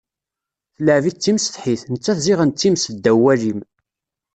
Tleɛɛeb-itt d timsetḥit, nettat ziɣen d times ddaw walim.